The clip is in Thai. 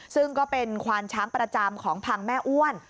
ซึ่งก็เป็นควานช้างประจำของพังแม่อ้วน